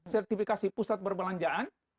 sertifikasi pusat perbelanjaan